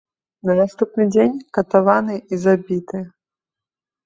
На наступны дзень катаваны і забіты.